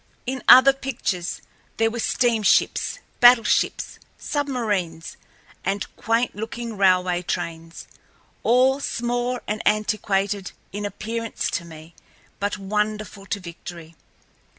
In other pictures there were steamships, battleships, submarines, and quaint looking railway trains—all small and antiquated in appearance to me, but wonderful to Victory.